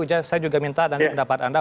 saya juga minta pendapat anda